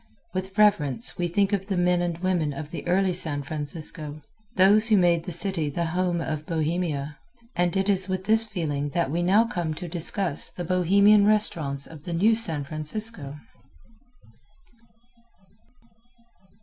With reverence we think of the men and women of the early San Francisco those who made the city the Home of Bohemia and it is with this feeling that we now come to discuss the Bohemian restaurants of the New San Francisco.